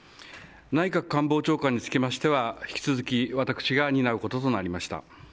内閣官房長官につきましては引き続き私が担うこととなりました。